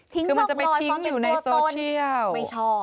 ทิ้งไม่ไหร่คุ้มอยู่ในโซเชียียลมันจะไปทิ้งอยู่ในโซเชียล